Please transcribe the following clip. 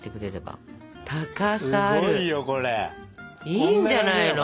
いいんじゃないの？